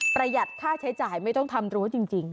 ประหยัดค่าใช้จ่ายไม่ต้องทำโดรสจริง